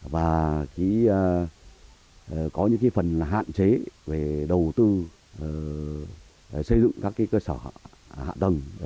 và có những phần hạn chế về đầu tư xây dựng các cơ sở hạ tầng